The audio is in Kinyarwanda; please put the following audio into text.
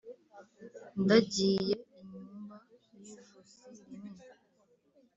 Ndagiye inyumba y'ijosi rinini,